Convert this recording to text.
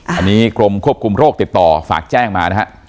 อันนี้กรมควบคุมโรคติดต่อฝากแจ้งมานะฮะ